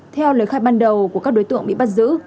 theo lời khai ban đầu của các đối tượng bị bắt giữ